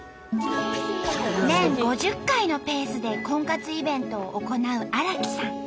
年５０回のペースで婚活イベントを行う荒木さん。